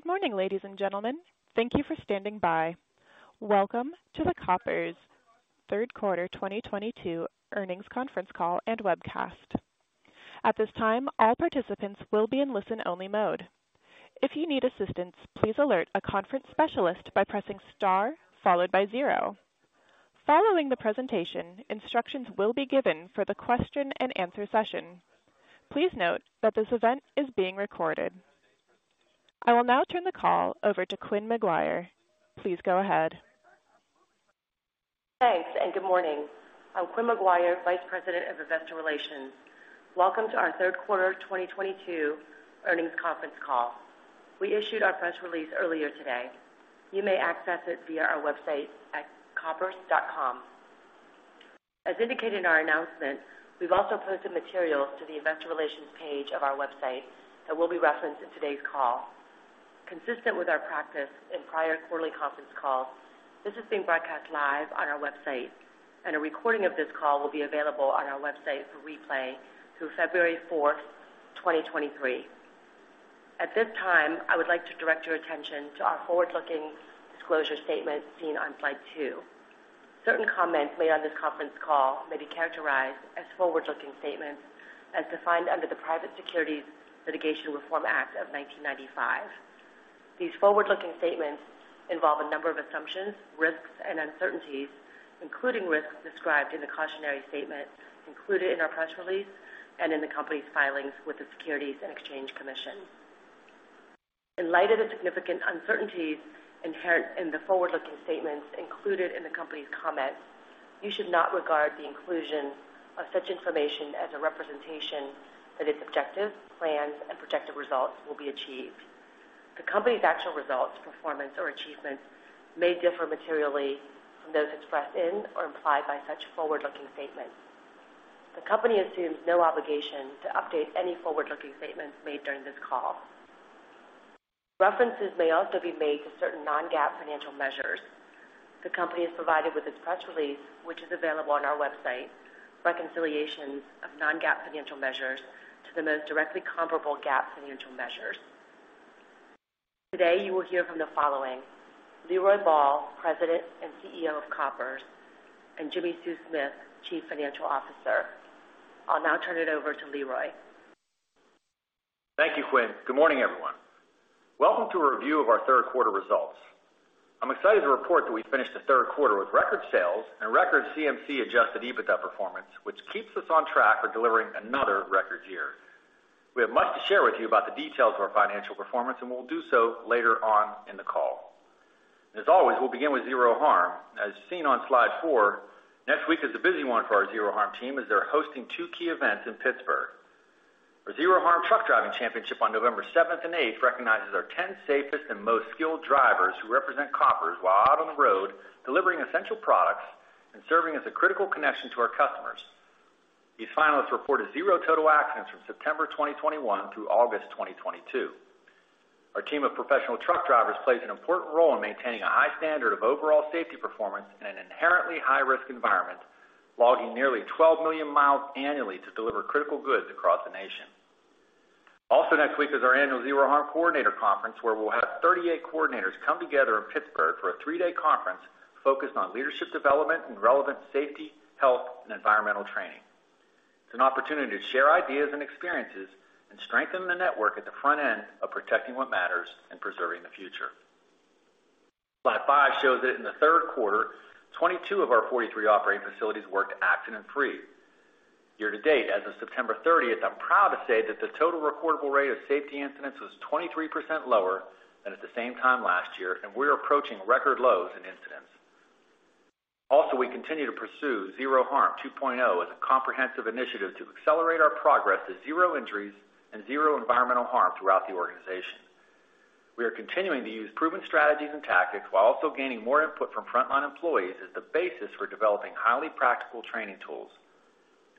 Good morning, ladies and gentlemen. Thank you for standing by. Welcome to the Koppers third quarter 2022 earnings conference call and webcast. At this time, all participants will be in listen-only mode. If you need assistance, please alert a conference specialist by pressing star followed by zero. Following the presentation, instructions will be given for the question-and-answer session. Please note that this event is being recorded. I will now turn the call over to Quynh McGuire. Please go ahead. Thanks. Good morning. I'm Quynh McGuire, Vice President of Investor Relations. Welcome to our third quarter 2022 earnings conference call. We issued our press release earlier today. You may access it via our website at koppers.com. As indicated in our announcement, we've also posted materials to the investor relations page of our website that will be referenced in today's call. Consistent with our practice in prior quarterly conference calls, this is being broadcast live on our website, and a recording of this call will be available on our website for replay through February 4, 2023. At this time, I would like to direct your attention to our forward-looking disclosure statement seen on slide 2. Certain comments made on this conference call may be characterized as forward-looking statements as defined under the Private Securities Litigation Reform Act of 1995. These forward-looking statements involve a number of assumptions, risks, and uncertainties, including risks described in the cautionary statement included in our press release and in the company's filings with the Securities and Exchange Commission. In light of the significant uncertainties inherent in the forward-looking statements included in the company's comments, you should not regard the inclusion of such information as a representation that its objectives, plans, and projected results will be achieved. The company's actual results, performance, or achievements may differ materially from those expressed in or implied by such forward-looking statements. The company assumes no obligation to update any forward-looking statements made during this call. References may also be made to certain non-GAAP financial measures. The company has provided, with its press release, which is available on our website, reconciliations of non-GAAP financial measures to the most directly comparable GAAP financial measures. Today, you will hear from the following, Leroy Ball, President and CEO of Koppers, and Jimmi Sue Smith, Chief Financial Officer. I'll now turn it over to Leroy. Thank you, Quynh. Good morning, everyone. Welcome to a review of our third quarter results. I'm excited to report that we finished the third quarter with record sales and record CMC adjusted EBITDA performance, which keeps us on track for delivering another record year. We have much to share with you about the details of our financial performance, and we'll do so later on in the call. As always, we'll begin with Zero Harm. As seen on slide four, next week is a busy one for our Zero Harm team as they're hosting two key events in Pittsburgh. Our Zero Harm Truck Driving Championship on November seventh and eighth recognizes our ten safest and most skilled drivers who represent Koppers while out on the road delivering essential products and serving as a critical connection to our customers. These finalists reported zero total accidents from September 2021 through August 2022. Our team of professional truck drivers plays an important role in maintaining a high standard of overall safety performance in an inherently high-risk environment, logging nearly 12 million miles annually to deliver critical goods across the nation. Also next week is our annual Zero Harm Coordinator Conference, where we'll have 38 coordinators come together in Pittsburgh for a 3-day conference focused on leadership development and relevant safety, health, and environmental training. It's an opportunity to share ideas and experiences and strengthen the network at the front end of protecting what matters and preserving the future. Slide 5 shows that in the third quarter, 22 of our 43 operating facilities worked accident-free. Year to date, as of September 30, I'm proud to say that the total recordable rate of safety incidents was 23% lower than at the same time last year, and we're approaching record lows in incidents. Also, we continue to pursue Zero Harm 2.0 as a comprehensive initiative to accelerate our progress to zero injuries and zero environmental harm throughout the organization. We are continuing to use proven strategies and tactics while also gaining more input from frontline employees as the basis for developing highly practical training tools.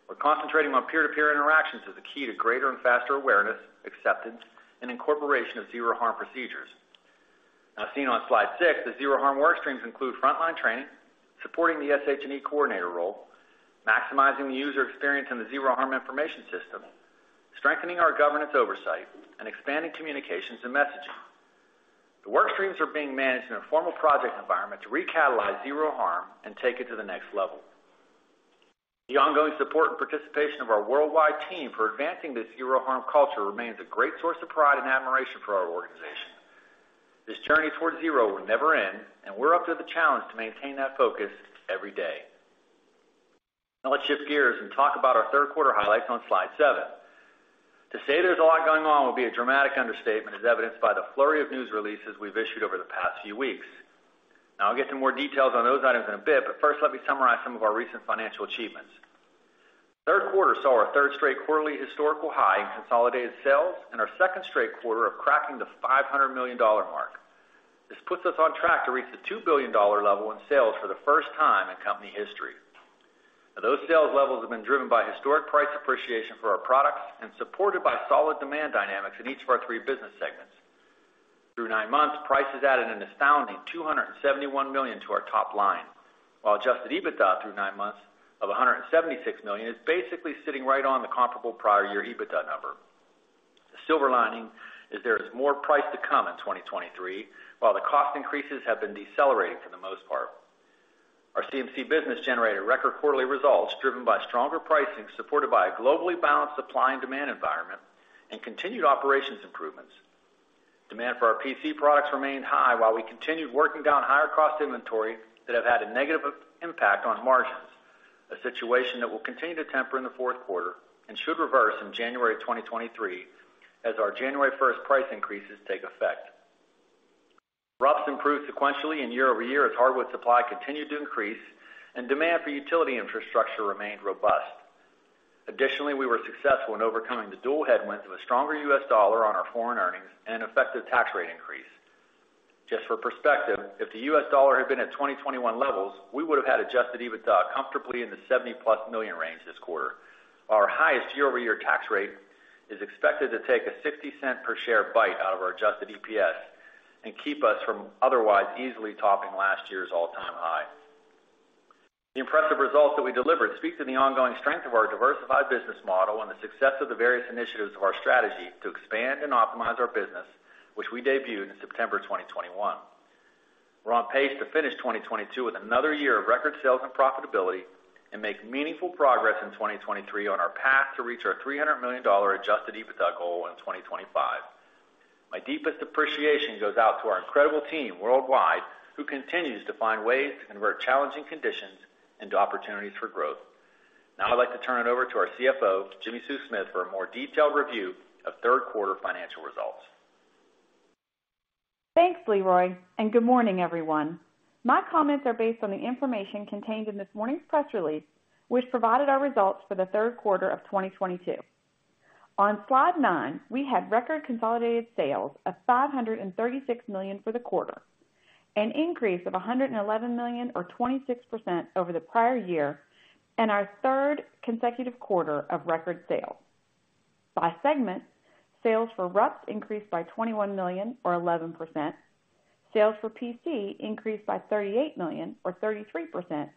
We're concentrating on peer-to-peer interactions as a key to greater and faster awareness, acceptance, and incorporation of Zero Harm procedures. Now seen on slide 6, the Zero Harm work streams include frontline training, supporting the SH&E coordinator role, maximizing the user experience in the Zero Harm information system, strengthening our governance oversight, and expanding communications and messaging. The work streams are being managed in a formal project environment to recatalyze Zero Harm and take it to the next level. The ongoing support and participation of our worldwide team for advancing this Zero Harm culture remains a great source of pride and admiration for our organization. This journey towards zero will never end, and we're up to the challenge to maintain that focus every day. Now let's shift gears and talk about our third quarter highlights on slide 7. To say there's a lot going on would be a dramatic understatement, as evidenced by the flurry of news releases we've issued over the past few weeks. Now, I'll get some more details on those items in a bit, but first, let me summarize some of our recent financial achievements. Third quarter saw our third straight quarterly historical high in consolidated sales and our second straight quarter of cracking the $500 million mark. This puts us on track to reach the $2 billion level in sales for the first time in company history. Those sales levels have been driven by historic price appreciation for our products and supported by solid demand dynamics in each of our three business segments. Through 9 months, prices added an astounding $271 million to our top line. While adjusted EBITDA through 9 months of $176 million is basically sitting right on the comparable prior year EBITDA number. The silver lining is there is more price to come in 2023, while the cost increases have been decelerating for the most part. Our CMC business generated record quarterly results driven by stronger pricing, supported by a globally balanced supply and demand environment and continued operations improvements. Demand for our PC products remained high while we continued working down higher cost inventory that have had a negative impact on margins, a situation that will continue to temper in the fourth quarter and should reverse in January 2023 as our January 1st price increases take effect. RUPS improved sequentially and year-over-year as hardwood supply continued to increase and demand for utility infrastructure remained robust. Additionally, we were successful in overcoming the dual headwinds of a stronger U.S. dollar on our foreign earnings and an effective tax rate increase. Just for perspective, if the U.S. dollar had been at 2021 levels, we would have had adjusted EBITDA comfortably in the $70+ million range this quarter. Our highest year-over-year tax rate is expected to take a $0.60 per share bite out of our adjusted EPS and keep us from otherwise easily topping last year's all-time high. The impressive results that we delivered speaks to the ongoing strength of our diversified business model and the success of the various initiatives of our strategy to expand and optimize our business, which we debuted in September 2021. We're on pace to finish 2022 with another year of record sales and profitability and make meaningful progress in 2023 on our path to reach our $300 million adjusted EBITDA goal in 2025. My deepest appreciation goes out to our incredible team worldwide, who continues to find ways to convert challenging conditions into opportunities for growth. Now, I'd like to turn it over to our CFO, Jimmi Sue Smith, for a more detailed review of third quarter financial results. Thanks, Leroy, and good morning, everyone. My comments are based on the information contained in this morning's press release, which provided our results for the third quarter of 2022. On slide 9, we had record consolidated sales of $536 million for the quarter, an increase of $111 million or 26% over the prior year, and our third consecutive quarter of record sales. By segment, sales for RUPS increased by $21 million or 11%. Sales for PC increased by $38 million or 33%,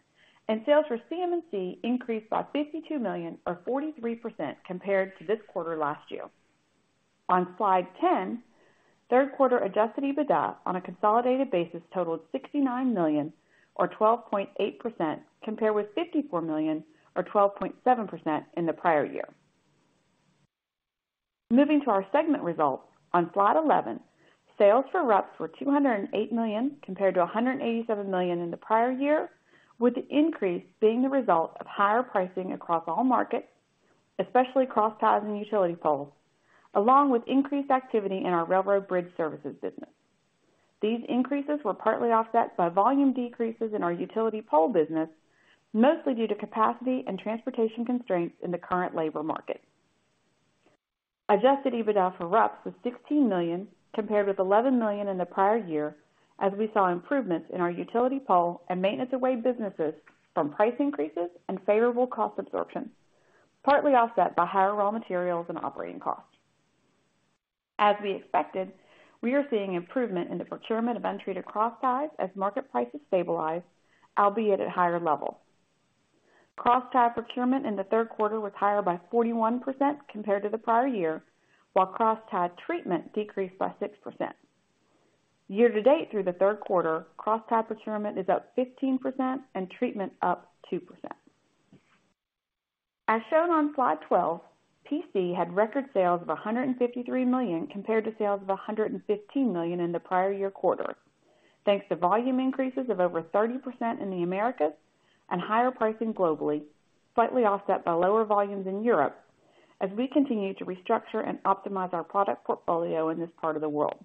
and sales for CMC increased by $52 million or 43% compared to this quarter last year. On slide 10, third quarter adjusted EBITDA on a consolidated basis totaled $69 million or 12.8%, compared with $54 million or 12.7% in the prior year. Moving to our segment results on slide 11, sales for RUPS were $208 million compared to $187 million in the prior year, with the increase being the result of higher pricing across all markets, especially crossties and utility poles, along with increased activity in our railroad bridge services business. These increases were partly offset by volume decreases in our utility pole business, mostly due to capacity and transportation constraints in the current labor market. Adjusted EBITDA for RUPS was $16 million compared with $11 million in the prior year, as we saw improvements in our utility pole and maintenance-of-way businesses from price increases and favorable cost absorption, partly offset by higher raw materials and operating costs. As we expected, we are seeing improvement in the procurement of untreated crossties as market prices stabilize, albeit at higher levels. Crosstie procurement in the third quarter was higher by 41% compared to the prior year, while crosstie treatment decreased by 6%. Year-to-date through the third quarter, crosstie procurement is up 15% and treatment up 2%. As shown on slide 12, PC had record sales of $153 million compared to sales of $115 million in the prior year quarter, thanks to volume increases of over 30% in the Americas and higher pricing globally, slightly offset by lower volumes in Europe as we continue to restructure and optimize our product portfolio in this part of the world.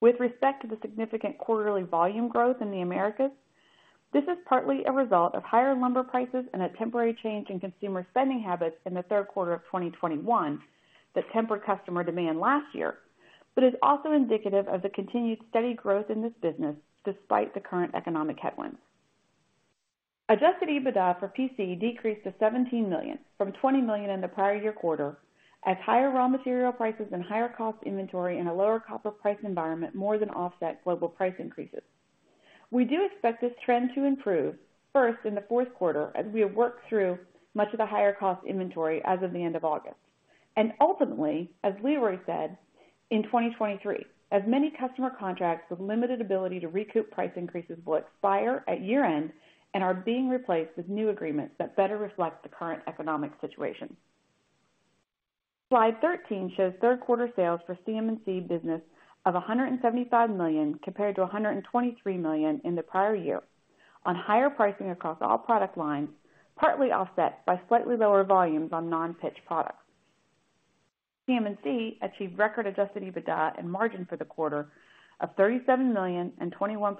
With respect to the significant quarterly volume growth in the Americas, this is partly a result of higher lumber prices and a temporary change in consumer spending habits in the third quarter of 2021 that tempered customer demand last year, but is also indicative of the continued steady growth in this business despite the current economic headwinds. Adjusted EBITDA for PC decreased to $17 million from $20 million in the prior year quarter as higher raw material prices and higher cost inventory in a lower copper price environment more than offset global price increases. We do expect this trend to improve first in the fourth quarter as we have worked through much of the higher cost inventory as of the end of August, and ultimately, as Leroy said in 2023, as many customer contracts with limited ability to recoup price increases will expire at year-end and are being replaced with new agreements that better reflect the current economic situation. Slide 13 shows third quarter sales for CMC business of $175 million compared to $123 million in the prior year on higher pricing across all product lines, partly offset by slightly lower volumes on non-pitch products. CMC achieved record adjusted EBITDA and margin for the quarter of $37 million and 21%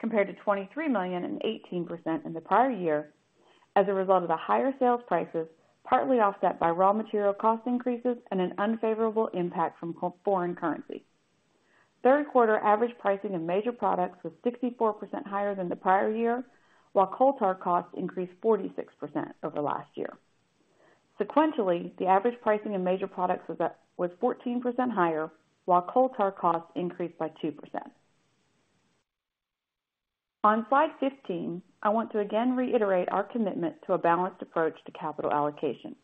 compared to $23 million and 18% in the prior year as a result of the higher sales prices, partly offset by raw material cost increases and an unfavorable impact from foreign currency. Third quarter average pricing in major products was 64% higher than the prior year, while coal tar costs increased 46% over last year. Sequentially, the average pricing in major products was fourteen percent higher, while coal tar costs increased by 2%. On slide 15, I want to again reiterate our commitment to a balanced approach to capital allocation.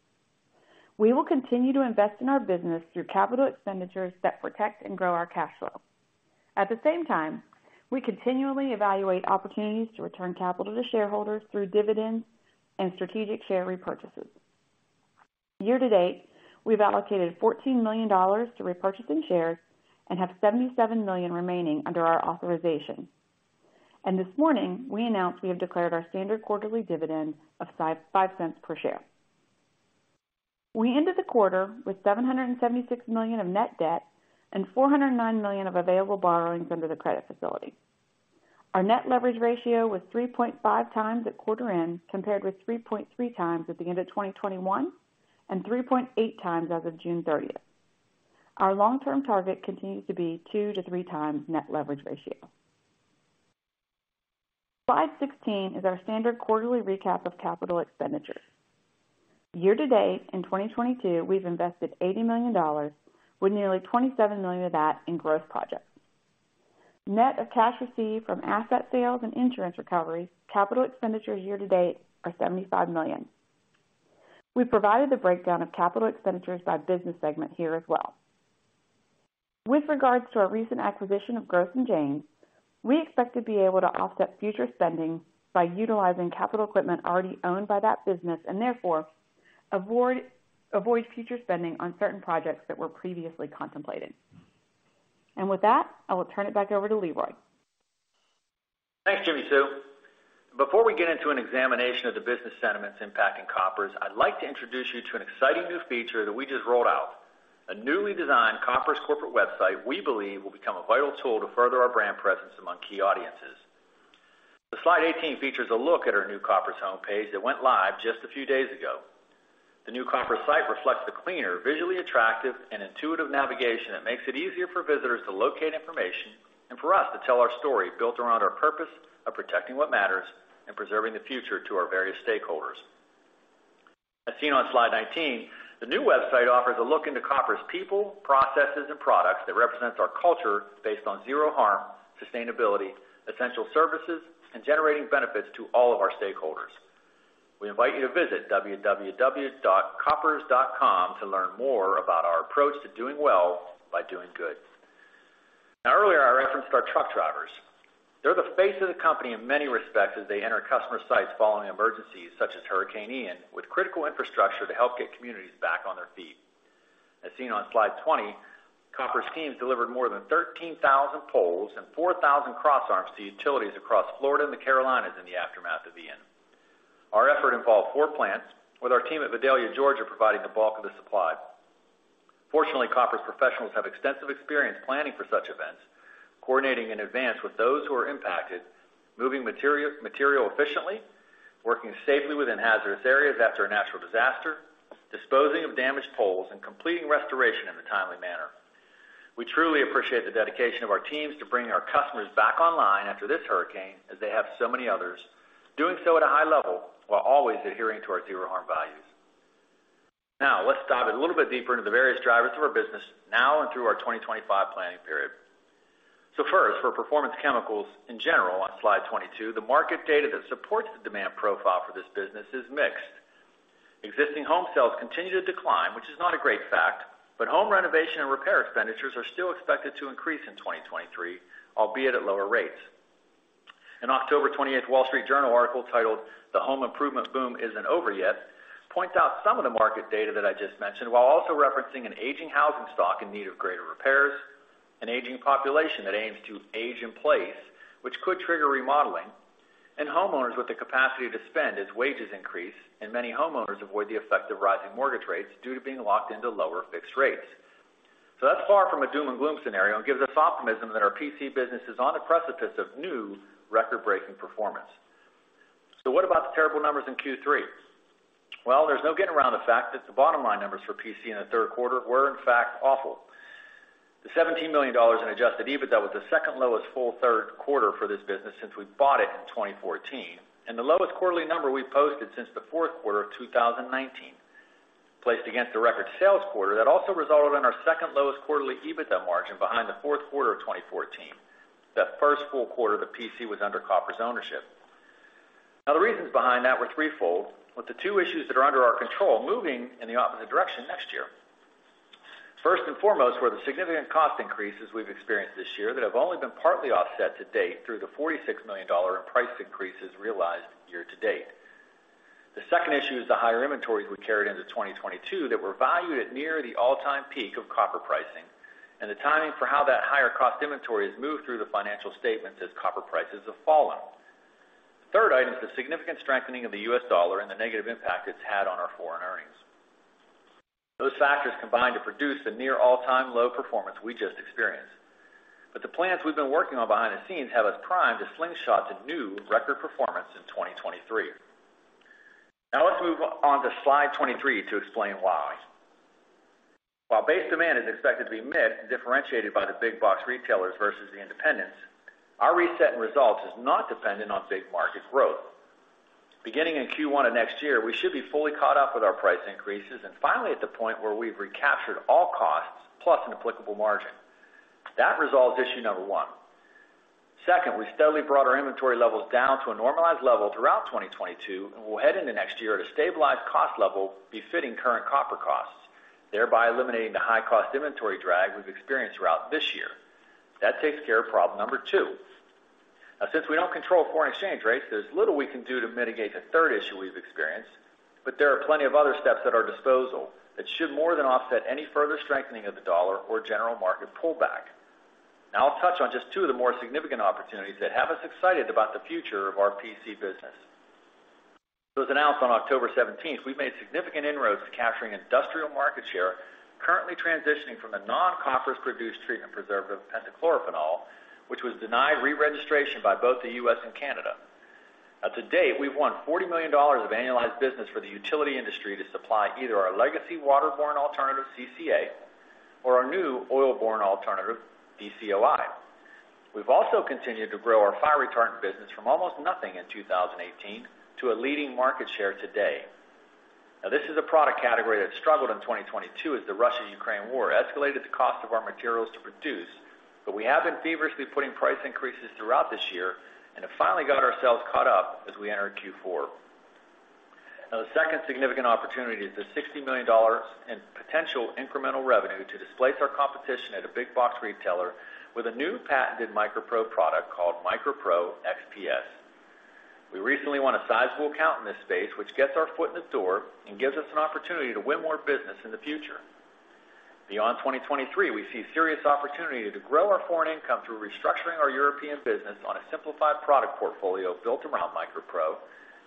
We will continue to invest in our business through capital expenditures that protect and grow our cash flow. At the same time, we continually evaluate opportunities to return capital to shareholders through dividends and strategic share repurchases. Year-to-date, we've allocated $14 million to repurchasing shares and have $77 million remaining under our authorization. This morning, we announced we have declared our standard quarterly dividend of $0.55 per share. We ended the quarter with $776 million of net debt and $409 million of available borrowings under the credit facility. Our net leverage ratio was 3.5x at quarter end, compared with 3.3x at the end of 2021 and 3.8x as of June 30. Our long-term target continues to be 2 to 3x net leverage ratio. Slide 16 is our standard quarterly recap of capital expenditures. Year-to-date, in 2022, we've invested $80 million, with nearly $27 million of that in growth projects. Net of cash received from asset sales and insurance recoveries, capital expenditures year-to-date are $75 million. We've provided the breakdown of capital expenditures by business segment here as well. With regards to our recent acquisition of Gross & Janes, we expect to be able to offset future spending by utilizing capital equipment already owned by that business, and therefore avoid future spending on certain projects that were previously contemplated. With that, I will turn it back over to Leroy. Thanks, Jimmi Sue. Before we get into an examination of the business sentiments impacting Koppers, I'd like to introduce you to an exciting new feature that we just rolled out, a newly designed Koppers corporate website we believe will become a vital tool to further our brand presence among key audiences. The slide 18 features a look at our new Koppers homepage that went live just a few days ago. The new Koppers site reflects the cleaner, visually attractive and intuitive navigation that makes it easier for visitors to locate information and for us to tell our story, built around our purpose of protecting what matters and preserving the future to our various stakeholders. As seen on slide 19, the new website offers a look into Koppers' people, processes and products that represents our culture based on Zero Harm, sustainability, essential services, and generating benefits to all of our stakeholders. We invite you to visit www.koppers.com to learn more about our approach to doing well by doing good. Now earlier, I referenced our truck drivers. They're the face of the company in many respects as they enter customer sites following emergencies such as Hurricane Ian, with critical infrastructure to help get communities back on their feet. As seen on slide 20, Koppers teams delivered more than 13,000 poles and 4,000 cross arms to utilities across Florida and the Carolinas in the aftermath of Ian. Our effort involved 4 plants, with our team at Vidalia, Georgia, providing the bulk of the supply. Fortunately, Koppers professionals have extensive experience planning for such events, coordinating in advance with those who are impacted, moving material efficiently, working safely within hazardous areas after a natural disaster, disposing of damaged poles, and completing restoration in a timely manner. We truly appreciate the dedication of our teams to bring our customers back online after this hurricane, as they have so many others, doing so at a high level while always adhering to our Zero Harm values. Now, let's dive a little bit deeper into the various drivers of our business now and through our 2025 planning period. First, for Performance Chemicals in general on slide 22, the market data that supports the demand profile for this business is mixed. Existing home sales continue to decline, which is not a great fact, but home renovation and repair expenditures are still expected to increase in 2023, albeit at lower rates. An October 28th Wall Street Journal article titled The Home Improvement Boom Isn't Over Yet points out some of the market data that I just mentioned, while also referencing an aging housing stock in need of greater repairs, an aging population that aims to age in place, which could trigger remodeling, and homeowners with the capacity to spend as wages increase, and many homeowners avoid the effect of rising mortgage rates due to being locked into lower fixed rates. That's far from a doom and gloom scenario and gives us optimism that our PC business is on the precipice of new record-breaking performance. What about the terrible numbers in Q3? Well, there's no getting around the fact that the bottom line numbers for PC in the third quarter were in fact awful. The $17 million in adjusted EBITDA was the second lowest full third quarter for this business since we bought it in 2014, and the lowest quarterly number we've posted since the fourth quarter of 2019. Placed against a record sales quarter, that also resulted in our second lowest quarterly EBITDA margin behind the fourth quarter of 2014, the first full quarter that PC was under Koppers' ownership. Now the reasons behind that were threefold, with the two issues that are under our control moving in the opposite direction next year. First and foremost were the significant cost increases we've experienced this year that have only been partly offset to date through the $46 million in price increases realized year-to-date. The second issue is the higher inventories we carried into 2022 that were valued at near the all-time peak of copper pricing and the timing for how that higher cost inventory has moved through the financial statements as copper prices have fallen. The third item is the significant strengthening of the U.S. dollar and the negative impact it's had on our foreign earnings. Those factors combined to produce the near all-time low performance we just experienced. The plans we've been working on behind the scenes have us primed to slingshot to new record performance in 2023. Now let's move on to slide 23 to explain why. While base demand is expected to be met and differentiated by the big box retailers versus the independents, our reset in results is not dependent on big market growth. Beginning in Q1 of next year, we should be fully caught up with our price increases and finally at the point where we've recaptured all costs plus an applicable margin. That resolves issue number one. Second, we steadily brought our inventory levels down to a normalized level throughout 2022, and we'll head into next year at a stabilized cost level befitting current copper costs, thereby eliminating the high cost inventory drag we've experienced throughout this year. That takes care of problem number two. Now, since we don't control foreign exchange rates, there's little we can do to mitigate the third issue we've experienced, but there are plenty of other steps at our disposal that should more than offset any further strengthening of the dollar or general market pullback. Now I'll touch on just two of the more significant opportunities that have us excited about the future of our PC business. As was announced on October 17, we've made significant inroads to capturing industrial market share, currently transitioning from the non-copper produced treatment preservative Pentachlorophenol, which was denied reregistration by both the U.S. and Canada. Now to date, we've won $40 million of annualized business for the utility industry to supply either our legacy waterborne alternative, CCA, or our new oilborne alternative, DCOI. We've also continued to grow our fire retardant business from almost nothing in 2018 to a leading market share today. Now this is a product category that struggled in 2022 as the Russia-Ukraine war escalated the cost of our materials to produce. We have been feverishly putting price increases throughout this year and have finally got ourselves caught up as we enter Q4. Now the second significant opportunity is the $60 million in potential incremental revenue to displace our competition at a big box retailer with a new patented MicroPro product called MicroPro XPS. We recently won a sizable account in this space, which gets our foot in the door and gives us an opportunity to win more business in the future. Beyond 2023, we see serious opportunity to grow our foreign income through restructuring our European business on a simplified product portfolio built around MicroPro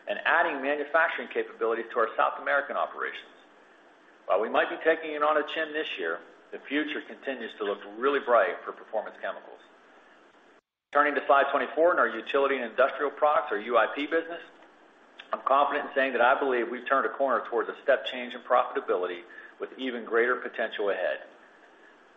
and adding manufacturing capabilities to our South American operations. While we might be taking it on the chin this year, the future continues to look really bright for Performance Chemicals. Turning to slide 24 and our utility and industrial products, or UIP business, I'm confident in saying that I believe we've turned a corner towards a step change in profitability with even greater potential ahead.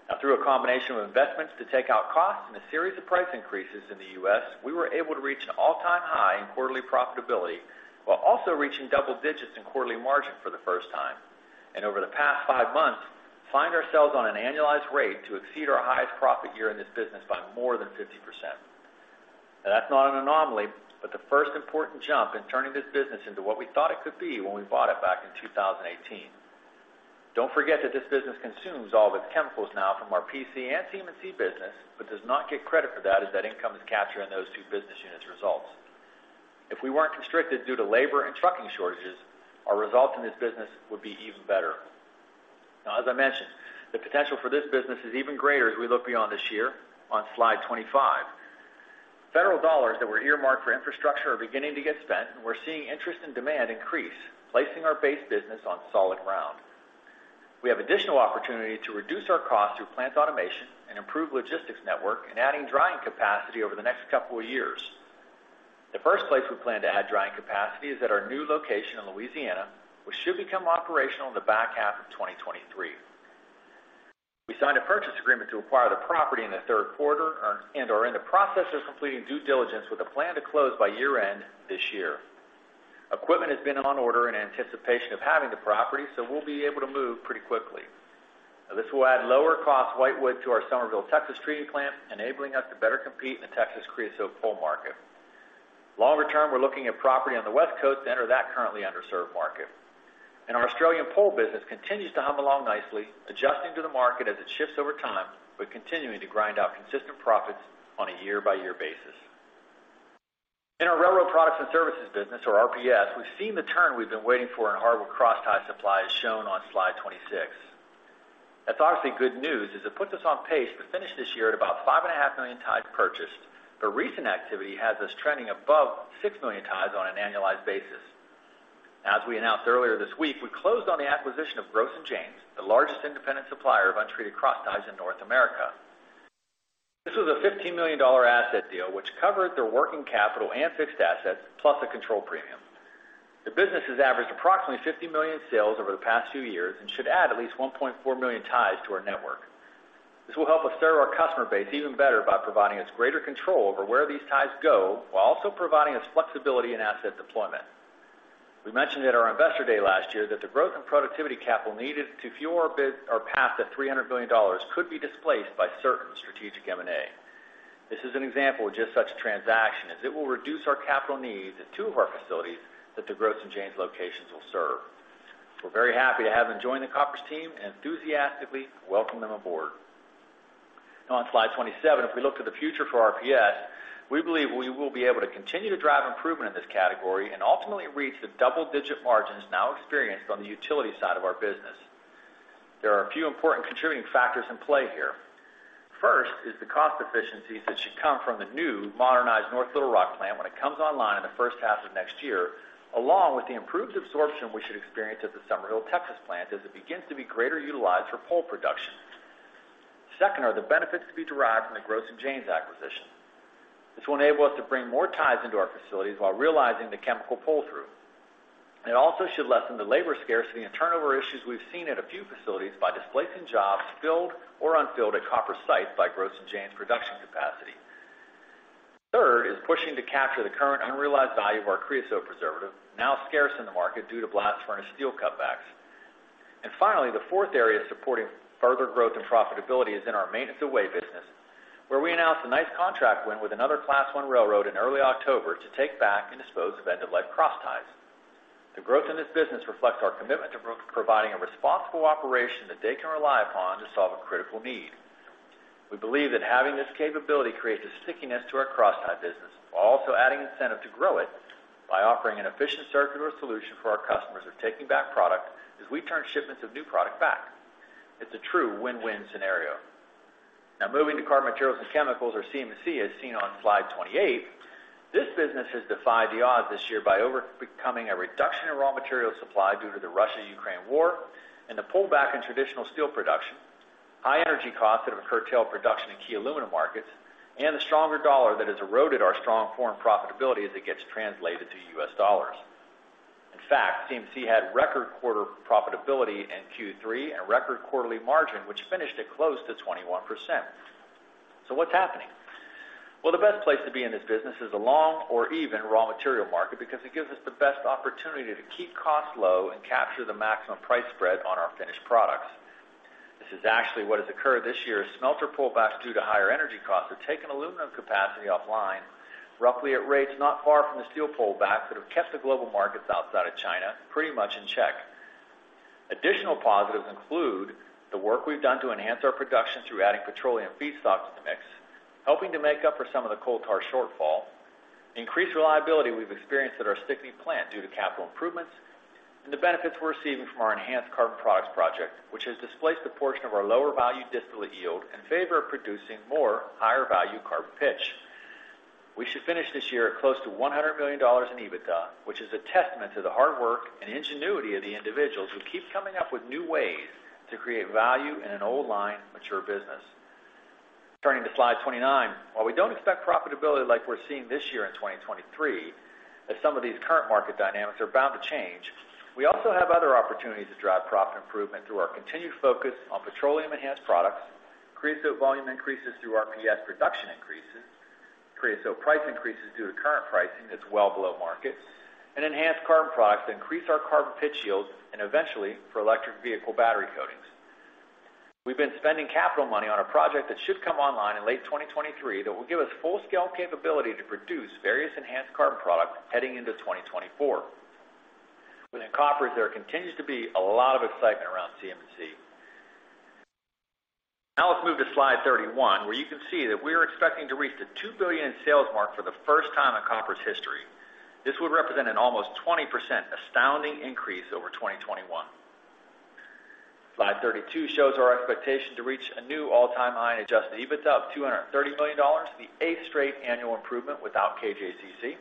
Now through a combination of investments to take out costs and a series of price increases in the U.S., we were able to reach an all-time high in quarterly profitability while also reaching double digits in quarterly margin for the first time. Over the past 5 months, find ourselves on an annualized rate to exceed our highest profit year in this business by more than 50%. Now that's not an anomaly, but the first important jump in turning this business into what we thought it could be when we bought it back in 2018. Don't forget that this business consumes all of its chemicals now from our PC and CMC business, but does not get credit for that as that income is captured in those two business units' results. If we weren't constricted due to labor and trucking shortages, our result in this business would be even better. Now, as I mentioned, the potential for this business is even greater as we look beyond this year on slide 25. Federal dollars that were earmarked for infrastructure are beginning to get spent, and we're seeing interest and demand increase, placing our base business on solid ground. We have additional opportunity to reduce our cost through plant automation and improve logistics network and adding drying capacity over the next couple of years. The first place we plan to add drying capacity is at our new location in Louisiana, which should become operational in the back half of 2023. We signed a purchase agreement to acquire the property in the third quarter and are in the process of completing due diligence with a plan to close by year-end this year. Equipment has been on order in anticipation of having the property, so we'll be able to move pretty quickly. This will add lower cost white wood to our Somerville, Texas treating plant, enabling us to better compete in the Texas creosote pole market. Longer term, we're looking at property on the West Coast to enter that currently underserved market. Our Australian pole business continues to hum along nicely, adjusting to the market as it shifts over time, but continuing to grind out consistent profits on a year-by-year basis. In our railroad products and services business, or RPS, we've seen the turn we've been waiting for in hardwood crosstie supply, as shown on slide 26. That's obviously good news as it puts us on pace to finish this year at about 5.5 million ties purchased, but recent activity has us trending above 6 million ties on an annualized basis. As we announced earlier this week, we closed on the acquisition of Gross & Janes, the largest independent supplier of untreated crossties in North America. This was a $15 million asset deal which covered their working capital and fixed assets, plus a control premium. Their business has averaged approximately $50 million in sales over the past few years and should add at least 1.4 million ties to our network. This will help us serve our customer base even better by providing us greater control over where these ties go while also providing us flexibility in asset deployment. We mentioned at our Investor Day last year that the growth in productivity capital needed to fuel our EBITDA path to $300 million could be displaced by certain strategic M&A. This is an example of just such a transaction, as it will reduce our capital needs at two of our facilities that the Gross & Janes locations will serve. We're very happy to have them join the Koppers team and enthusiastically welcome them aboard. Now on slide 27, if we look to the future for RPS, we believe we will be able to continue to drive improvement in this category and ultimately reach the double-digit margins now experienced on the utility side of our business. There are a few important contributing factors in play here. First is the cost efficiencies that should come from the new modernized North Little Rock plant when it comes online in the first half of next year, along with the improved absorption we should experience at the Somerville, Texas plant as it begins to be more greatly utilized for pole production. Second are the benefits to be derived from the Gross & Janes acquisition. This will enable us to bring more ties into our facilities while realizing the chemical pull-through. It also should lessen the labor scarcity and turnover issues we've seen at a few facilities by displacing jobs filled or unfilled at Koppers sites by Gross & Janes production capacity. Third is pushing to capture the current unrealized value of our creosote preservative, now scarce in the market due to blast furnace steel cutbacks. Finally, the fourth area supporting further growth and profitability is in our maintenance-of-way business, where we announced a nice contract win with another Class I railroad in early October to take back and dispose of end-of-life crossties. The growth in this business reflects our commitment to providing a responsible operation that they can rely upon to solve a critical need. We believe that having this capability creates a stickiness to our crosstie business while also adding incentive to grow it by offering an efficient circular solution for our customers of taking back product as we turn shipments of new product back. It's a true win-win scenario. Now moving to carbon materials and chemicals or CMC as seen on slide 28. This business has defied the odds this year by overcoming a reduction in raw material supply due to the Russia-Ukraine war and the pullback in traditional steel production, high energy costs that have curtailed production in key aluminum markets, and the stronger dollar that has eroded our strong foreign profitability as it gets translated to U.S. dollars. In fact, CMC had record quarter profitability in Q3 and record quarterly margin, which finished at close to 21%. What's happening? Well, the best place to be in this business is a long or even raw material market because it gives us the best opportunity to keep costs low and capture the maximum price spread on our finished products. This is actually what has occurred this year as smelter pullbacks due to higher energy costs have taken aluminum capacity offline roughly at rates not far from the steel pullback that have kept the global markets outside of China pretty much in check. Additional positives include the work we've done to enhance our production through adding petroleum feedstock to the mix, helping to make up for some of the coal tar shortfall, the increased reliability we've experienced at our Stickney plant due to capital improvements, and the benefits we're receiving from our enhanced carbon products project, which has displaced a portion of our lower value distillate yield in favor of producing more higher value carbon pitch. We should finish this year at close to $100 million in EBITDA, which is a testament to the hard work and ingenuity of the individuals who keep coming up with new ways to create value in an old line mature business. Turning to slide 29. While we don't expect profitability like we're seeing this year in 2023, as some of these current market dynamics are bound to change, we also have other opportunities to drive profit improvement through our continued focus on petroleum enhanced products, creosote volume increases through our PC production increases, creosote price increases due to current pricing that's well below market, and enhanced carbon products that increase our carbon pitch yields and eventually for electric vehicle battery coatings. We've been spending capital money on a project that should come online in late 2023 that will give us full-scale capability to produce various enhanced carbon products heading into 2024. Within Koppers, there continues to be a lot of excitement around CMC. Now let's move to slide 31, where you can see that we are expecting to reach the $2 billion sales mark for the first time in Koppers' history. This would represent an almost 20% astounding increase over 2021. Slide 32 shows our expectation to reach a new all-time high in adjusted EBITDA of $230 million, the 8th straight annual improvement without KJCC.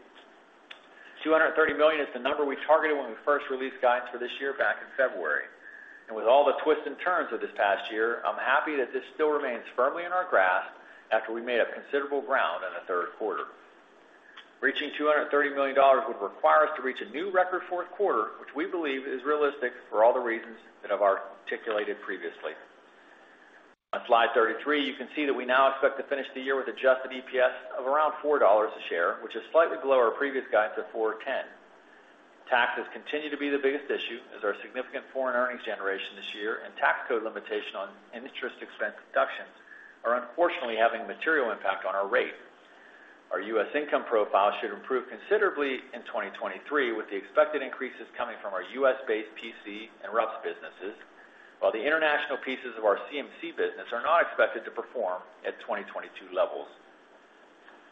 $230 million is the number we targeted when we first released guidance for this year back in February. With all the twists and turns of this past year, I'm happy that this still remains firmly in our grasp after we made up considerable ground in the third quarter. Reaching $230 million would require us to reach a new record fourth quarter, which we believe is realistic for all the reasons that I've articulated previously. On slide 33, you can see that we now expect to finish the year with adjusted EPS of around $4 a share, which is slightly below our previous guidance of $4.10. Taxes continue to be the biggest issue as our significant foreign earnings generation this year and tax code limitation on interest expense deductions are unfortunately having a material impact on our rate. Our U.S. income profile should improve considerably in 2023, with the expected increases coming from our U.S.-based PC and RUPS businesses, while the international pieces of our CMC business are not expected to perform at 2022 levels.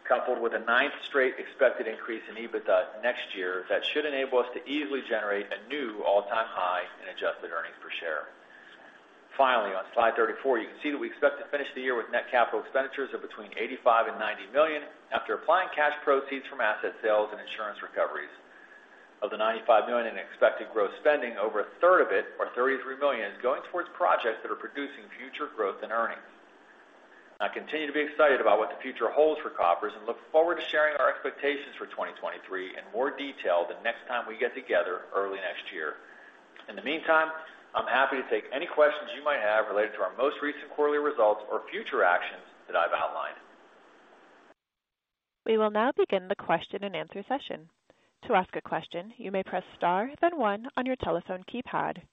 Coupled with a 9th straight expected increase in EBITDA next year, that should enable us to easily generate a new all-time high in adjusted earnings per share. Finally, on slide 34, you can see that we expect to finish the year with net capital expenditures of between $85 million and $90 million after applying cash proceeds from asset sales and insurance recoveries. Of the $95 million in expected gross spending, over a third of it, or $33 million, is going towards projects that are producing future growth and earnings. I continue to be excited about what the future holds for Koppers and look forward to sharing our expectations for 2023 in more detail the next time we get together early next year. In the meantime, I'm happy to take any questions you might have related to our most recent quarterly results or future actions that I've outlined. We will now begin the question-and-answer session. To ask a question, you may press star then one on your telephone keypad.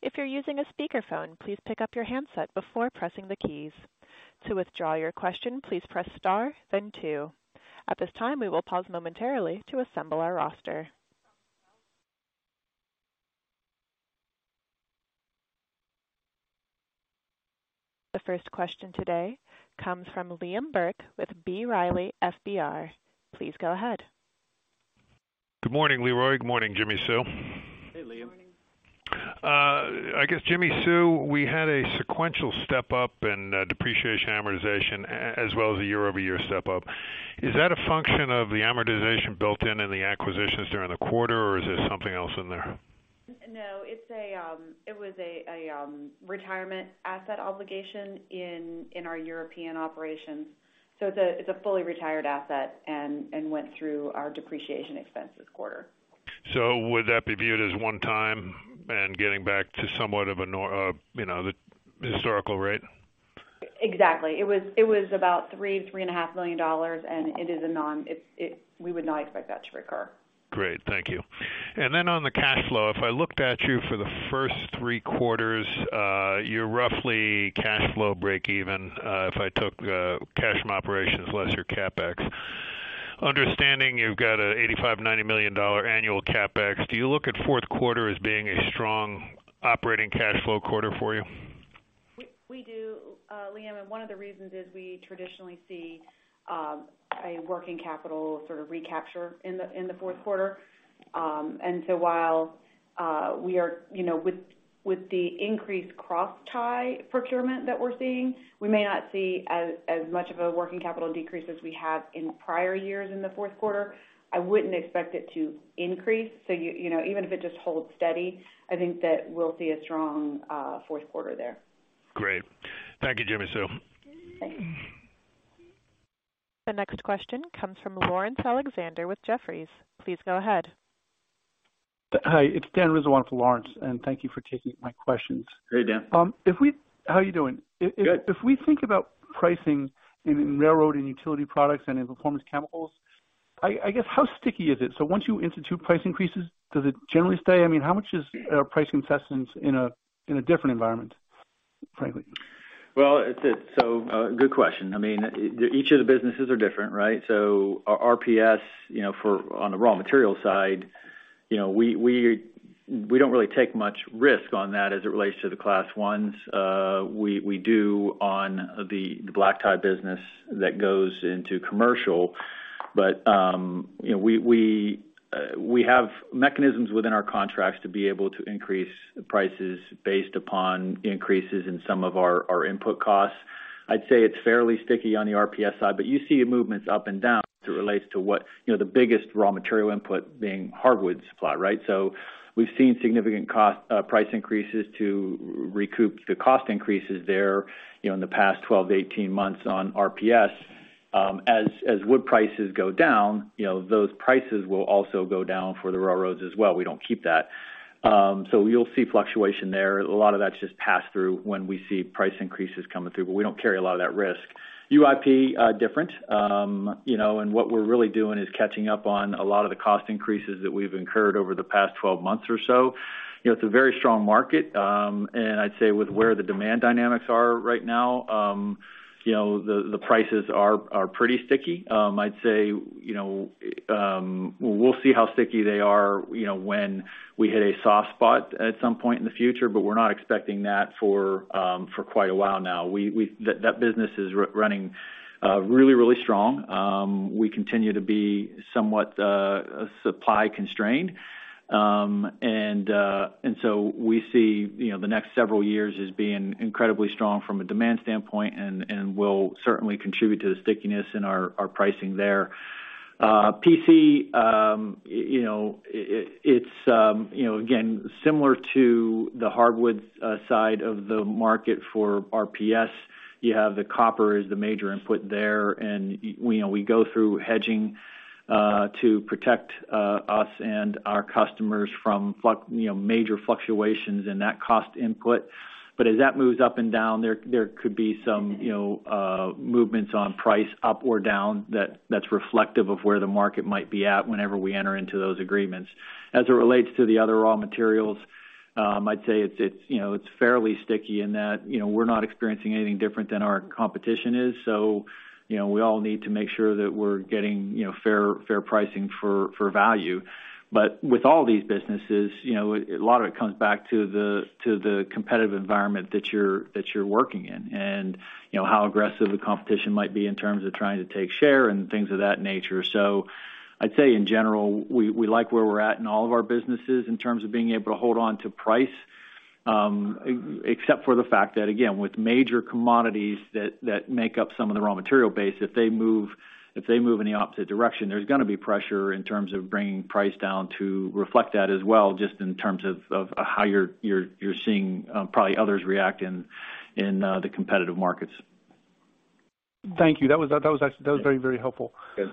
If you're using a speakerphone, please pick up your handset before pressing the keys. To withdraw your question, please press star then two. At this time, we will pause momentarily to assemble our roster. The first question today comes from Liam Burke with B. Riley Securities. Please go ahead. Good morning, Leroy. Good morning, Jimmy Sue. Hey, Liam. I guess, Jimmi Sue, we had a sequential step-up in depreciation amortization as well as a year-over-year step-up. Is that a function of the amortization built in the acquisitions during the quarter, or is there something else in there? No, it's a retirement asset obligation in our European operations. It's a fully retired asset and went through our depreciation expense this quarter. Would that be viewed as one time and getting back to somewhat of a, you know, the historical rate? Exactly. It was about $3.5 million, and we would not expect that to recur. Great. Thank you. On the cash flow, if I looked at you for the first three quarters, you're roughly cash flow breakeven, if I took, cash from operations less your CapEx. Understanding you've got a $85-$90 million annual CapEx, do you look at fourth quarter as being a strong operating cash flow quarter for you? We do, Liam. One of the reasons is we traditionally see a working capital sort of recapture in the fourth quarter. While we are, you know, with the increased crosstie procurement that we're seeing, we may not see as much of a working capital decrease as we have in prior years in the fourth quarter. I wouldn't expect it to increase. You know, even if it just holds steady, I think that we'll see a strong fourth quarter there. Great. Thank you, Jimmi Sue. The next question comes from Laurence Alexander with Jefferies. Please go ahead. Hi, it's Dan Rizzo for Laurence, and thank you for taking my questions. Hey, Dan. How are you doing? Good. If we think about pricing in Railroad and Utility Products and in Performance Chemicals, I guess how sticky is it? Once you institute price increases, does it generally stay? I mean, how much is price assessments in a different environment, frankly? It's a good question. I mean, each of the businesses are different, right? Our RPS, you know, on the raw material side, you know, we don't really take much risk on that as it relates to the Class I. We do on the crosstie business that goes into commercial. You know, we have mechanisms within our contracts to be able to increase prices based upon increases in some of our input costs. I'd say it's fairly sticky on the RPS side, but you see movements up and down as it relates to what, you know, the biggest raw material input being hardwood supply, right? We've seen significant price increases to recoup the cost increases there, you know, in the past 12-18 months on RPS. As wood prices go down, you know, those prices will also go down for the railroads as well. We don't keep that. So you'll see fluctuation there. A lot of that's just passed through when we see price increases coming through, but we don't carry a lot of that risk. UIP, different. You know, what we're really doing is catching up on a lot of the cost increases that we've incurred over the past 12 months or so. You know, it's a very strong market, and I'd say with where the demand dynamics are right now, you know, the prices are pretty sticky. I'd say, you know, we'll see how sticky they are, you know, when we hit a soft spot at some point in the future, but we're not expecting that for quite a while now. That business is running really, really strong. We continue to be somewhat supply constrained. We see, you know, the next several years as being incredibly strong from a demand standpoint and will certainly contribute to the stickiness in our pricing there. PC, you know, it's, you know, again, similar to the hardwood side of the market for RPS. You have the copper as the major input there, and you know, we go through hedging to protect us and our customers from major fluctuations in that cost input. As that moves up and down, there could be some, you know, movements on price up or down that's reflective of where the market might be at whenever we enter into those agreements. As it relates to the other raw materials, I'd say it's, you know, it's fairly sticky in that, you know, we're not experiencing anything different than our competition is. You know, we all need to make sure that we're getting, you know, fair pricing for value. With all these businesses, you know, a lot of it comes back to the competitive environment that you're working in and, you know, how aggressive the competition might be in terms of trying to take share and things of that nature. I'd say in general, we like where we're at in all of our businesses in terms of being able to hold on to price, except for the fact that again, with major commodities that make up some of the raw material base, if they move in the opposite direction, there's gonna be pressure in terms of bringing price down to reflect that as well, just in terms of how you're seeing, probably others react in the competitive markets. Thank you. That was actually very helpful. Good.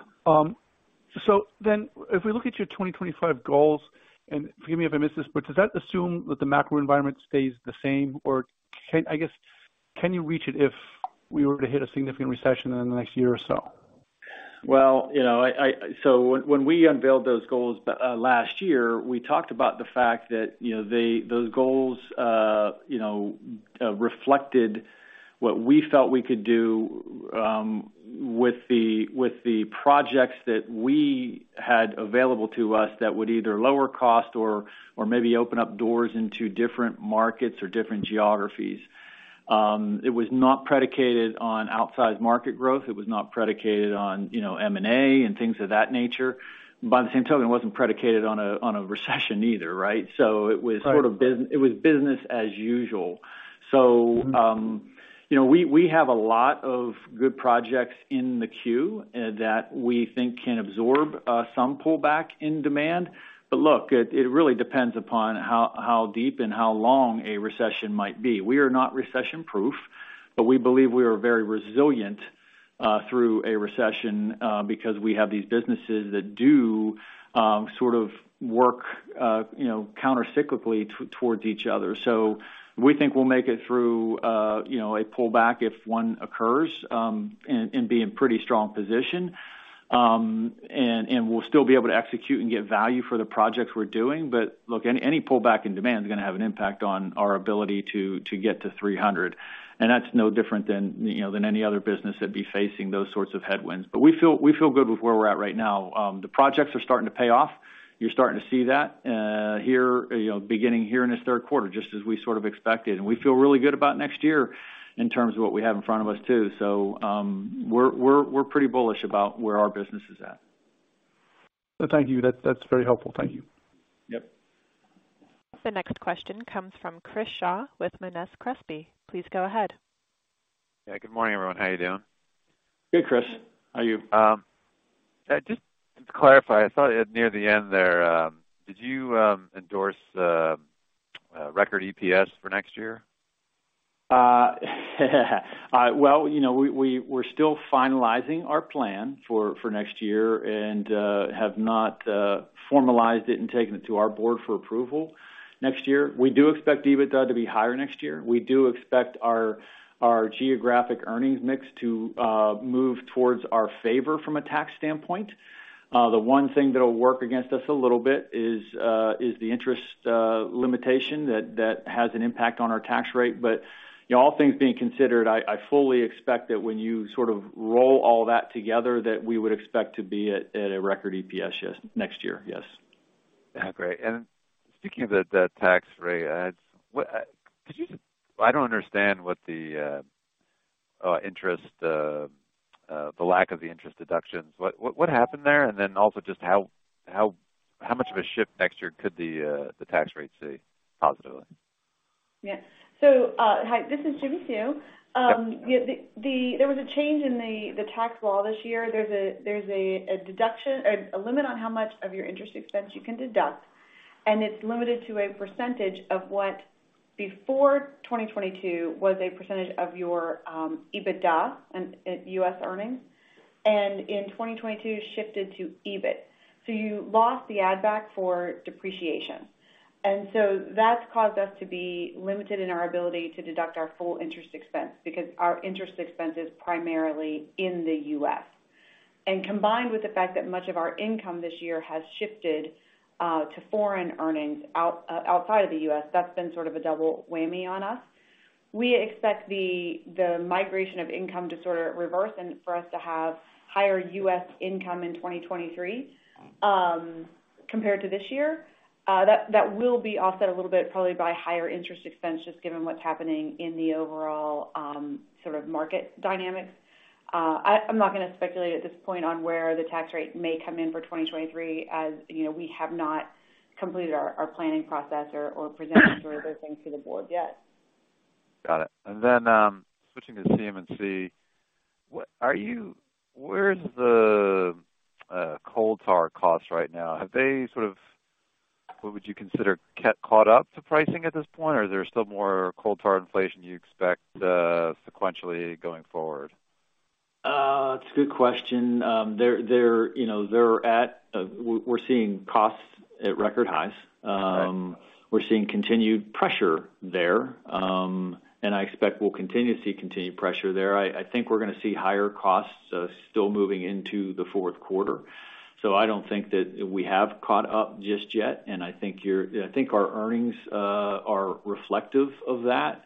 If we look at your 2025 goals, and forgive me if I missed this, but does that assume that the macro environment stays the same? Can you reach it if we were to hit a significant recession in the next year or so? Well, you know, when we unveiled those goals last year, we talked about the fact that, you know, those goals reflected what we felt we could do with the projects that we had available to us that would either lower cost or maybe open up doors into different markets or different geographies. It was not predicated on outsized market growth. It was not predicated on, you know, M&A and things of that nature. By the same token, it wasn't predicated on a recession either, right? It was Right. It was business as usual. You know, we have a lot of good projects in the queue that we think can absorb some pullback in demand. Look, it really depends upon how deep and how long a recession might be. We are not recession-proof, but we believe we are very resilient through a recession because we have these businesses that do sort of work, you know, countercyclically towards each other. We think we'll make it through, you know, a pullback if one occurs, and we'll still be able to execute and get value for the projects we're doing. Look, any pullback in demand is gonna have an impact on our ability to get to $300 million. That's no different than, you know, than any other business that'd be facing those sorts of headwinds. We feel good with where we're at right now. The projects are starting to pay off. You're starting to see that, here, you know, beginning here in this third quarter, just as we sort of expected. We feel really good about next year in terms of what we have in front of us too. We're pretty bullish about where our business is at. Thank you. That's very helpful. Thank you. Yep. The next question comes from Chris Shaw with Monness, Crespi. Please go ahead. Yeah. Good morning, everyone. How are you doing? Good, Chris. How are you? Just to clarify, I thought near the end there, did you endorse a record EPS for next year? All right. Well, you know, we're still finalizing our plan for next year and have not formalized it and taken it to our board for approval next year. We do expect EBITDA to be higher next year. We do expect our geographic earnings mix to move towards our favor from a tax standpoint. The one thing that'll work against us a little bit is the interest limitation that has an impact on our tax rate. You know, all things being considered, I fully expect that when you sort of roll all that together, that we would expect to be at a record EPS, yes, next year. Yes. Yeah. Great. Speaking of the tax rate, I don't understand what the interest, the lack of the interest deductions. What happened there? Then also just how much of a shift next year could the tax rate see positively? Yeah. Hi, this is Jimmi Sue. There was a change in the tax law this year. There's a limit on how much of your interest expense you can deduct, and it's limited to a percentage of what before 2022 was a percentage of your EBITDA and U.S. earnings, and in 2022, shifted to EBIT. You lost the add back for depreciation. That's caused us to be limited in our ability to deduct our full interest expense because our interest expense is primarily in the U.S. Combined with the fact that much of our income this year has shifted to foreign earnings outside of the U.S., that's been sort of a double whammy on us. We expect the migration of income to sort of reverse and for us to have higher U.S. income in 2023 compared to this year. That will be offset a little bit, probably by higher interest expense, just given what's happening in the overall sort of market dynamics. I'm not gonna speculate at this point on where the tax rate may come in for 2023, as you know, we have not completed our planning process or presented those things to the board yet. Got it. Switching to CMC, where is the coal tar costs right now? Have they sort of caught up to pricing at this point, or there's still more coal tar inflation you expect sequentially going forward? It's a good question. They're you know, they're at we're seeing costs at record highs. We're seeing continued pressure there. I expect we'll continue to see continued pressure there. I think we're gonna see higher costs still moving into the fourth quarter. I don't think that we have caught up just yet. I think our earnings are reflective of that.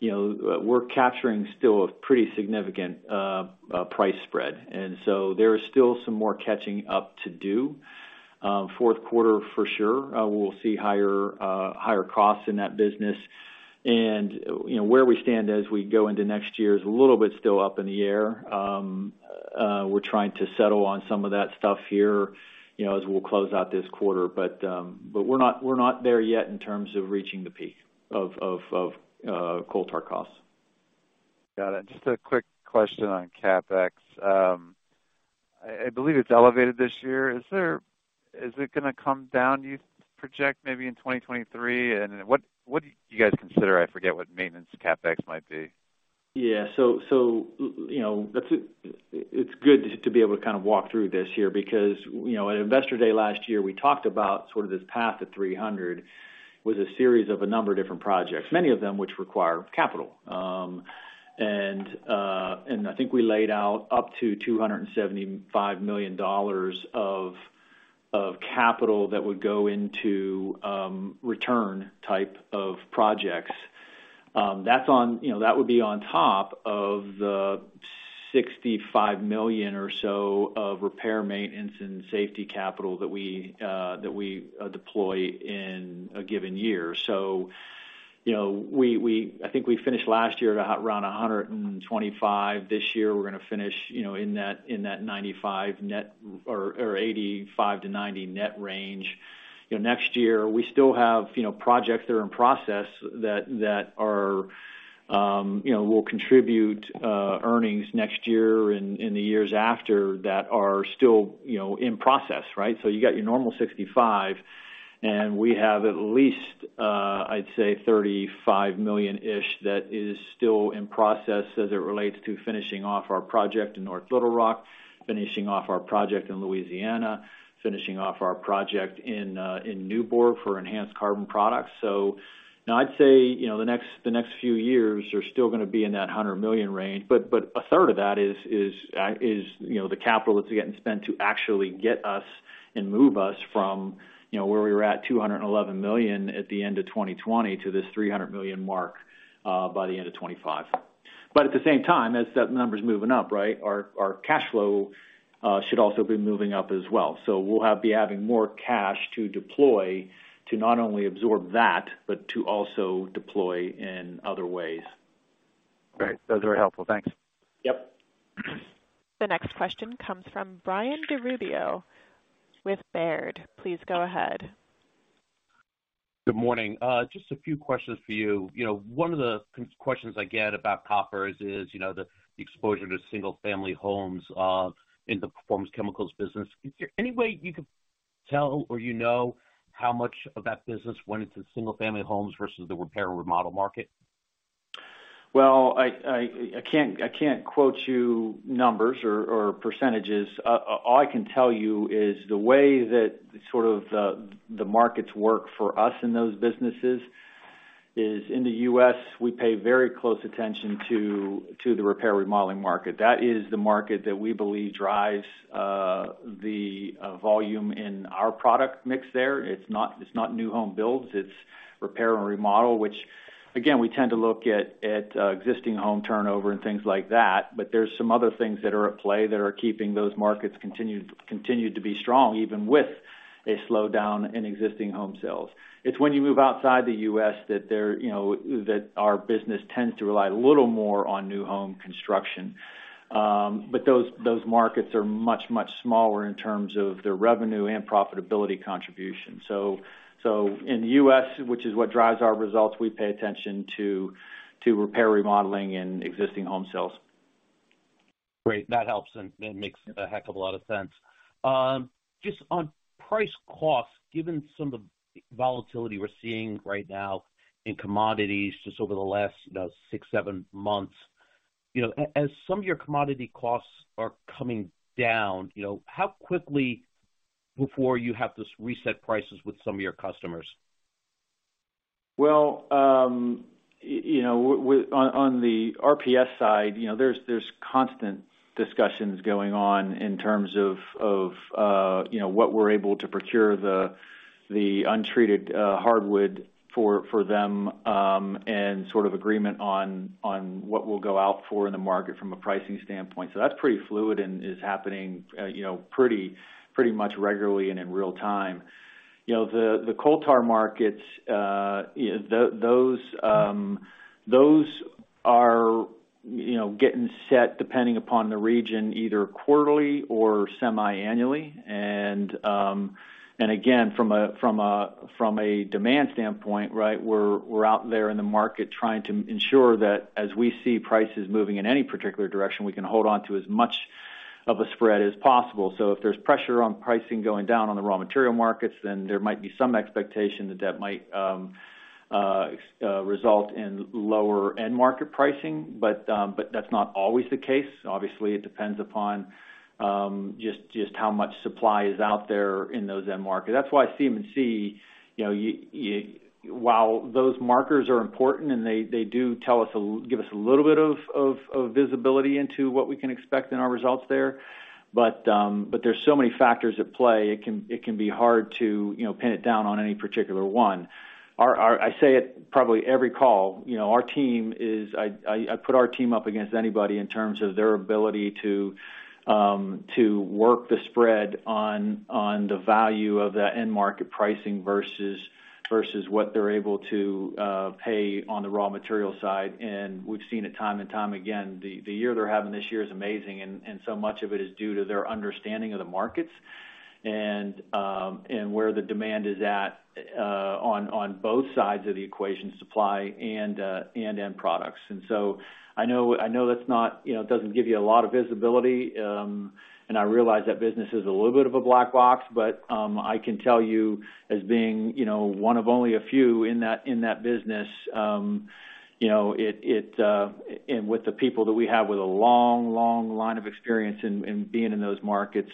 You know, we're capturing still a pretty significant price spread, and so there is still some more catching up to do. Fourth quarter for sure, we'll see higher costs in that business. You know, where we stand as we go into next year is a little bit still up in the air. We're trying to settle on some of that stuff here, you know, as we'll close out this quarter. We're not there yet in terms of reaching the peak of coal tar costs. Got it. Just a quick question on CapEx. I believe it's elevated this year. Is it gonna come down, you project maybe in 2023? What do you guys consider? I forget what maintenance CapEx might be. Yeah. You know, it's good to be able to kind of walk through this here because, you know, at Investor Day last year, we talked about sort of this path to $300 million with a series of a number of different projects, many of them which require capital. I think we laid out up to $275 million of capital that would go into return type of projects. That would be on top of the $65 million or so of repair, maintenance, and safety capital that we deploy in a given year. You know, I think we finished last year at around 125. This year, we're gonna finish, you know, in that $95 million net or $85 million to $90 million net range. You know, next year, we still have, you know, projects that are in process that will contribute earnings next year and in the years after that are still in process, right? You got your normal $65 million, and we have at least $35 million-ish that is still in process as it relates to finishing off our project in North Little Rock, finishing off our project in Louisiana, finishing off our project in Nyborg for enhanced carbon products. Now I'd say, you know, the next few years are still gonna be in that $100 million range. A third of that is you know the capital that's getting spent to actually get us and move us from you know where we were at $211 million at the end of 2020 to this $300 million mark by the end of 2025. At the same time, as that number's moving up right our cash flow should also be moving up as well. We'll be having more cash to deploy to not only absorb that but to also deploy in other ways. Great. That was very helpful. Thanks. Yep. The next question comes from Brian DiRubbio with Baird. Please go ahead. Good morning. Just a few questions for you. You know, one of the questions I get about Koppers is, you know, the exposure to single family homes in the Performance Chemicals business. Is there any way you could tell or you know how much of that business went into single family homes versus the repair remodel market? Well, I can't quote you numbers or percentages. All I can tell you is the way that sort of the markets work for us in those businesses is in the U.S., we pay very close attention to the repair and remodeling market. That is the market that we believe drives the volume in our product mix there. It's not new home builds, it's repair and remodel, which again, we tend to look at existing home turnover and things like that. But there's some other things that are at play that are keeping those markets continued to be strong, even with a slowdown in existing home sales. It's when you move outside the U.S. that, you know, our business tends to rely a little more on new home construction. Those markets are much smaller in terms of their revenue and profitability contribution. In the U.S., which is what drives our results, we pay attention to repair remodeling and existing home sales. Great. That helps and makes a heck of a lot of sense. Just on price cost, given some of the volatility we're seeing right now in commodities just over the last 6-7 months, you know, as some of your commodity costs are coming down, you know, how quickly before you have to reset prices with some of your customers? Well, you know, on the RPS side, you know, there's constant discussions going on in terms of, you know, what we're able to procure the untreated hardwood for them, and sort of agreement on what we'll go out for in the market from a pricing standpoint. That's pretty fluid and is happening, you know, pretty much regularly and in real time. You know, the coal tar markets, you know, those are getting set depending upon the region, either quarterly or semiannually. Again, from a demand standpoint, right, we're out there in the market trying to ensure that as we see prices moving in any particular direction, we can hold onto as much of a spread as possible. If there's pressure on pricing going down on the raw material markets, then there might be some expectation that might result in lower end market pricing. That's not always the case. Obviously, it depends upon just how much supply is out there in those end market. That's why CMC while those markets are important and they do give us a little bit of visibility into what we can expect in our results there, but there's so many factors at play, it can be hard to pin it down on any particular one. I say it probably every call, you know, I put our team up against anybody in terms of their ability to work the spread on the value of that end market pricing versus what they're able to pay on the raw material side. We've seen it time and time again. The year they're having this year is amazing, and so much of it is due to their understanding of the markets and where the demand is at on both sides of the equation, supply and end products. I know that's not, you know, it doesn't give you a lot of visibility. I realize that business is a little bit of a black box, but I can tell you as being, you know, one of only a few in that business, you know, it and with the people that we have with a long line of experience in being in those markets,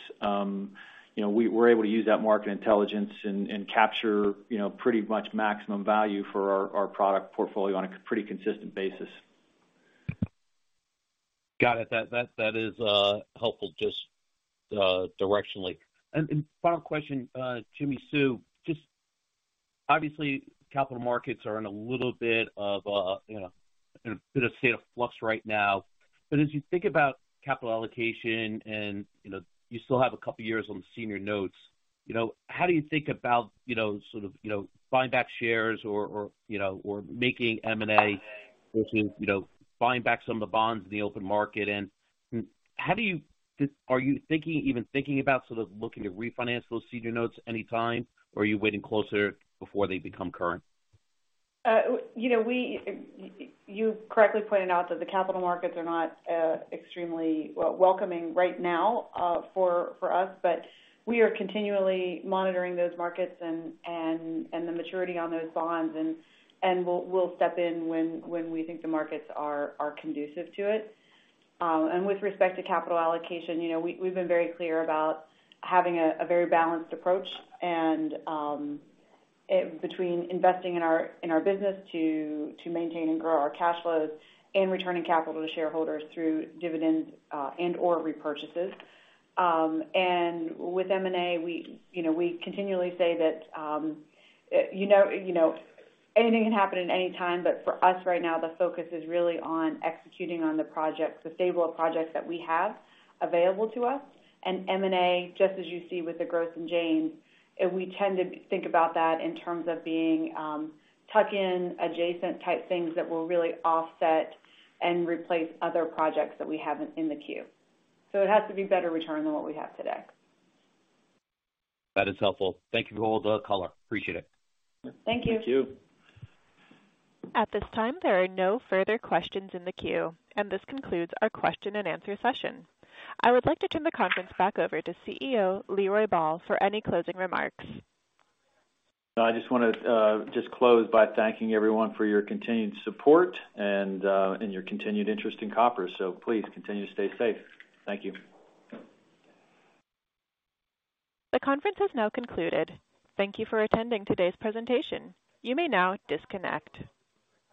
you know, we're able to use that market intelligence and capture, you know, pretty much maximum value for our product portfolio on a pretty consistent basis. Got it. That is helpful just directionally. Final question to Jimmi Sue Smith. Just obviously, capital markets are in a little bit of, you know, in a bit of state of flux right now. As you think about capital allocation and, you know, you still have a couple of years on the senior notes, you know, how do you think about, you know, sort of, you know, buying back shares or, you know, or making M&A, which is, you know, buying back some of the bonds in the open market. And how are you even thinking about sort of looking to refinance those senior notes any time? Or are you waiting closer before they become current? You know, we correctly pointed out that the capital markets are not extremely welcoming right now for us. We are continually monitoring those markets and the maturity on those bonds. We'll step in when we think the markets are conducive to it. With respect to capital allocation, you know, we've been very clear about having a very balanced approach between investing in our business to maintain and grow our cash flows and returning capital to shareholders through dividends and/or repurchases. With M&A, you know, we continually say that you know anything can happen at any time. For us right now, the focus is really on executing on the projects, the stable of projects that we have available to us. M&A, just as you see with the Gross & Janes, we tend to think about that in terms of being tuck-in adjacent type things that will really offset and replace other projects that we have in the queue. It has to be better return than what we have today. That is helpful. Thank you for all the color. Appreciate it. Thank you. Thank you. At this time, there are no further questions in the queue, and this concludes our question-and-answer session. I would like to turn the conference back over to CEO Leroy Ball for any closing remarks. I just wanna just close by thanking everyone for your continued support and your continued interest in Koppers. Please continue to stay safe. Thank you. The conference has now concluded. Thank you for attending today's presentation. You may now disconnect.